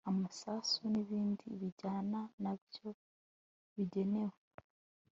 amasasu n ibindi bijyana na byo bigenewe